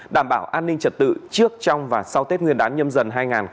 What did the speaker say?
đảm bảo an ninh trật tự trước trong và sau tết nguyên đán nhâm dần hai nghìn hai mươi bốn